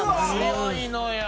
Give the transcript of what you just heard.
強いのよ！